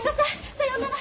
さようなら。